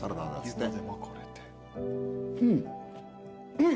うん。